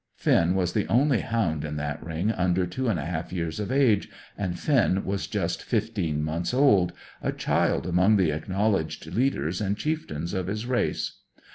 Finn was the only hound in that ring under two and a half years of age, and Finn was just fifteen months old, a child among the acknowledged leaders and chieftains of his race.